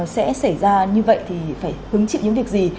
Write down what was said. sẽ xảy ra như vậy thì phải hứng chịu những việc gì